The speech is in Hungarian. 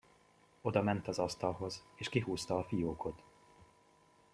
Odament az asztalhoz, és kihúzta a fiókot.